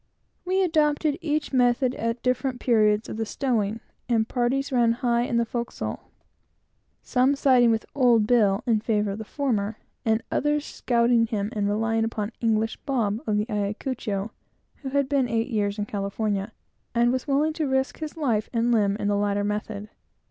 We adopted each method at different periods of the stowing, and parties ran high in the forecastle, some siding with "old Bill" in favor of the former, and others scouting him, and relying upon "English Bob" of the Ayacucho, who had been eight years in California, and was willing to risk his life and limb for the latter method.